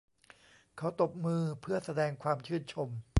เขาตบมือเพื่อแสดงความชื่นชม